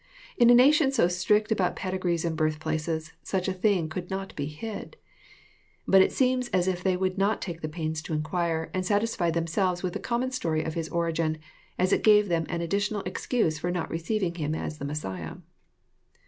In a nation so strict about pedigrees and birthplaces, such a thing could not be hid. But it seems as if they would not take the pains to inquire, and satisfied themselves with the common story of His origin, as it gave them an additional excuse for not receiving Him as the Messiah.